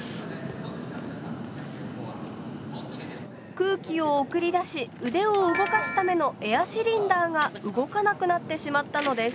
空気を送り出し腕を動かすためのエアシリンダーが動かなくなってしまったのです。